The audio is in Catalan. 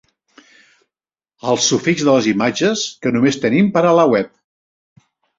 El sufix de les imatges que només tenim per a la web.